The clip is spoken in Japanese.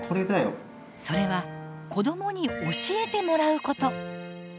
それは子どもに教えてもらうこと。